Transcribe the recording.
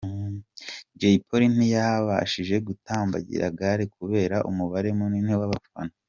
Jay Polly ntiyabashije gutambagira gare kubera umubare munini w'abafana.